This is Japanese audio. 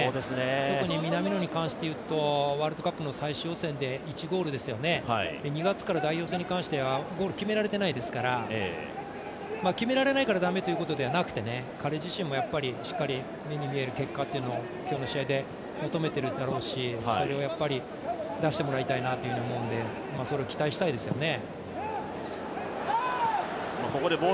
特に南野に関して言うとワールドカップで１ゴールですよね、２月からの代表戦に関してはゴールを決められてないですから決められないからダメというわけではなくて彼自身もしっかり目で見える結果を今日の試合で求めてるんだろうしそれを出してもらいたいなと思うので、それを期待したいですよね。